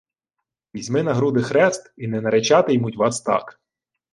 — Візьми на груди хрест — і не наричати-ймуть вас так.